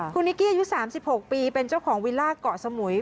คุณนิกกี้อายุ๓๖ปีเป็นเจ้าของวิลล่าเกาะสมุย